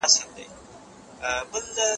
هغه سړی په خوشالۍ او عمر ولاړی.